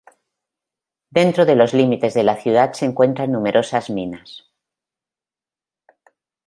Dentro de los límites de la ciudad se encuentran numerosas minas.